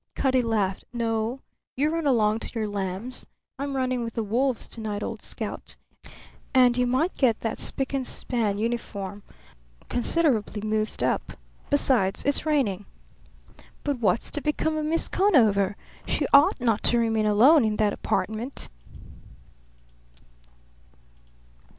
Cutty laughed. "No. You run along to your lambs. I'm running with the wolves to night, old scout, and you might get that spick and span uniform considerably mussed up. Besides, it's raining." "But what's to become of Miss Conover? She ought not to remain alone in that apartment."